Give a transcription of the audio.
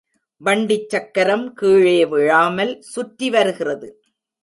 வண்டிச் சக்கரம் கீழே விழாமல் சுற்றி வருகிறது.